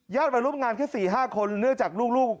มาร่วมงานแค่๔๕คนเนื่องจากลูก